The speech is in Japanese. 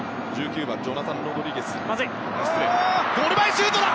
シュートだ！